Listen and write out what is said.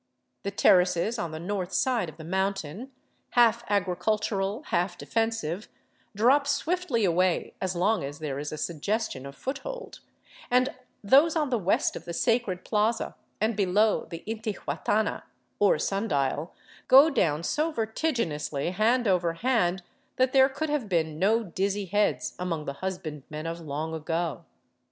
The terraces on the north side of the mountain, half agricultural, half defensive, drop swiftly away as long as there is a suggestion of foothold, and those on the west of the sacred plaza and below the intihuatana, or sun dial, go down so ver tiginously hand over hand that there could have been no dizzy heads among the husbandmen of long ago.